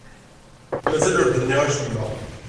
Mazal ur d-nniɣ acemma.